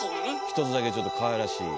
一つだけちょっとかわいらしい。